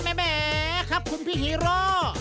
แหมครับคุณพี่ฮีโร่